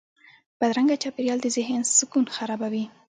بدرنګه چاپېریال د ذهن سکون خرابوي